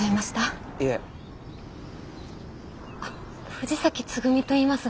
藤崎つぐみといいます。